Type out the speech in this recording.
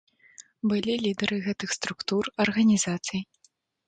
Былі лідары гэтых структур, арганізацый.